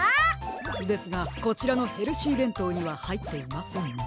ですがこちらのヘルシーべんとうにははいっていませんね。